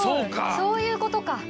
そういうことか。